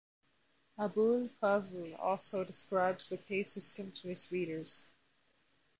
Abul Fazl also describes the Caste system to his readers.